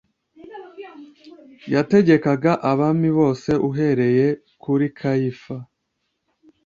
yategekaga abami bose uhereye kurikayifa